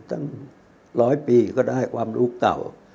ตั้งร้อยปีก็ได้ความรู้เก่า